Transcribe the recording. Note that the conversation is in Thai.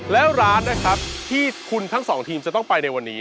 แล้วร้านนะครับที่คุณทั้งสองทีมจะต้องไปในวันนี้